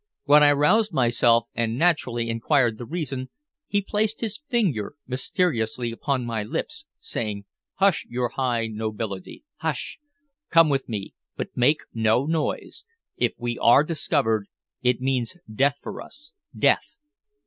When I roused myself and, naturally, inquired the reason, he placed his finger mysteriously upon my lips, saying: "Hush, your high nobility, hush! Come with me. But make no noise. If we are discovered, it means death for us death.